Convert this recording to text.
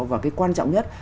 và cái quan trọng nhất